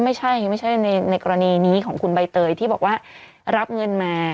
ไม่ใช่ไม่ใช่ในกรณีนี้ของคุณใบเตยที่บอกว่ารับเงินมา